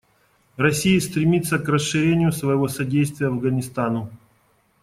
Россия стремится к расширению своего содействия Афганистану.